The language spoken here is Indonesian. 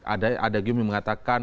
ada yang mengatakan